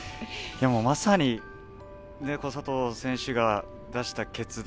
まさに佐藤選手が出した決断